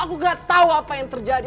aku gak tahu apa yang terjadi